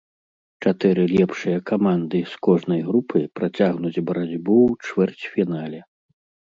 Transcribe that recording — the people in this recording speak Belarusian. Чатыры лепшыя каманды з кожнай групы працягнуць барацьбу ў чвэрцьфінале.